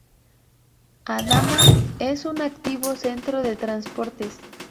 Adama es un activo centro de transportes.